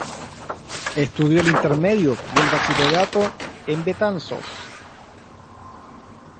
Estudió el intermedio y el bachillerato en Betanzos.